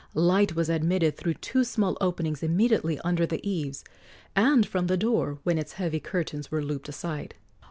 Light was admitted through two small openings immediately under the eaves, and from the door when its heavy curtains were looped aside.